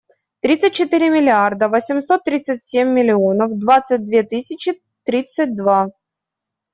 Тридцать четыре миллиарда восемьсот тридцать семь миллионов двадцать две тысячи тридцать два.